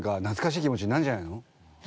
懐かしい気持ちになるんじゃないの？